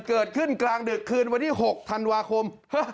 เกิดขึ้นกลางดึกคืนวันที่๖ธันวาคม